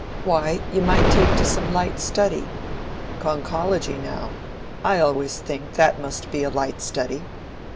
Why, you might take to some light study: conchology, now: I always think that must be a light study.